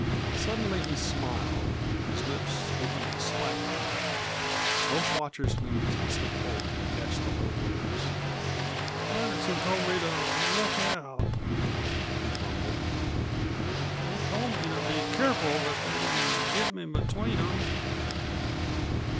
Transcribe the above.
Suddenly he smiled, his lips opening slightly. Both watchers leaned tensely forward to catch the low words. "Ferguson told me to look out," he mumbled. "He told me to be careful that they didn't get me between them.